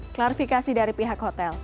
klarifikasi dari pihak hotel